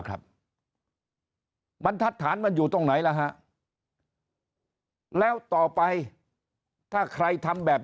ครับบรรทัศน์มันอยู่ตรงไหนล่ะฮะแล้วต่อไปถ้าใครทำแบบ